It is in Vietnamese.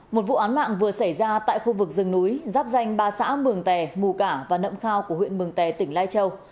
một vụ án mạng vừa xảy ra tại khu vực rừng núi giáp danh ba xã mường tè mù cả và nậm khao của huyện mường tè tỉnh lai châu